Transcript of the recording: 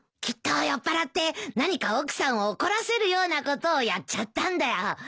きっと酔っぱらって何か奥さんを怒らせるようなことをやっちゃったんだよ。